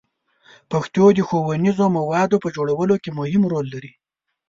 پښتو د ښوونیزو موادو په جوړولو کې مهم رول لري.